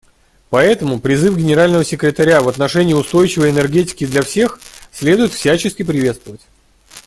Поэтому призыв Генерального секретаря в отношении устойчивой энергетики для всех следует всячески приветствовать.